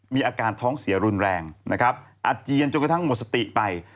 มีอาการท้องเสียรุนแรงนะครับอาเจียนจนกระทั่งหมดสติไป